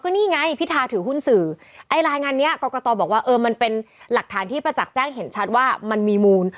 นี่ไงพิธาถือหุ้นสื่อไอ้รายงานนี้กรกตบอกว่าเออมันเป็นหลักฐานที่ประจักษ์แจ้งเห็นชัดว่ามันมีมูล